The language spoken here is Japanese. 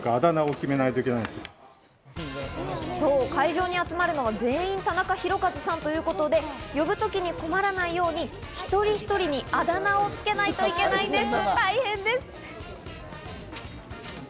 そう、会場に集まるのは全員「タナカヒロカズさん」ということで、呼ぶ時に困らないように、一人一人にあだ名をつけなければいけないんです。